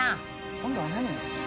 今度は何よ？